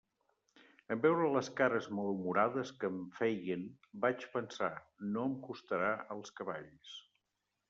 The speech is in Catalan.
En veure les cares malhumorades que em feien, vaig pensar: no em costarà els cavalls.